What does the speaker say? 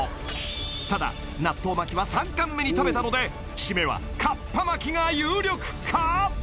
ただ納豆巻きは３貫目に食べたのでしめはかっぱ巻きが有力か！？